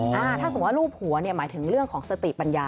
ถ้าสมมุติว่ารูปหัวเนี่ยหมายถึงเรื่องของสติปัญญา